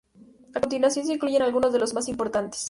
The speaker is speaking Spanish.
A continuación, se incluyen algunos de los más importantes.